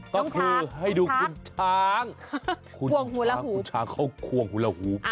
ก็คือให้ดูคุณช้างคุณช้างเขาควงหัวละหู